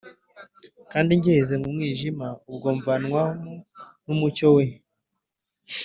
kandi ngiheze mu mwijima ubwo, mvanwamo n'umucyo we.